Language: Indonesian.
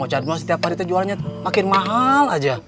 mau cari dua setiap hari kita jualnya makin mahal aja